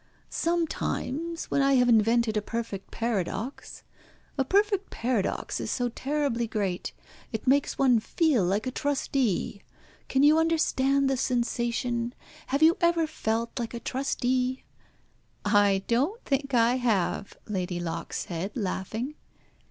"Sometimes, when I have invented a perfect paradox. A perfect paradox is so terribly great. It makes one feel like a trustee. Can you understand the sensation? Have you ever felt like a trustee?" "I don't think I have," Lady Locke said, laughing.